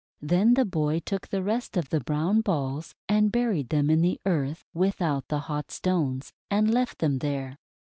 Then the boy took the rest of the brown balls and buried them in the earth without the hot stones, and left them there.